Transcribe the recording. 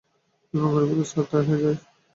ওসমান গনি বললেন, স্যার, তাহলে যাই।